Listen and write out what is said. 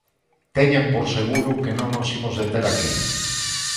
Teñan por seguro que non nos imos deter aquí.